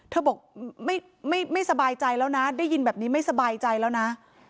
เธอบอกไม่สบายใจแล้วนะได้ยินแบบนี้ไม่สบายใจแล้วนะ